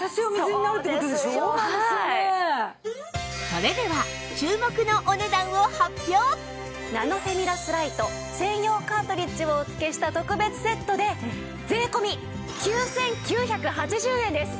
それでは注目のナノフェミラスライト専用カートリッジをお付けした特別セットで税込９９８０円です！